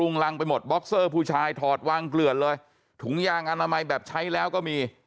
ลุงรังไปหมดบ็อกเซอร์ผู้ชายถอดวางเกลือนเลยถุงยางอนามัยแบบใช้แล้วก็มี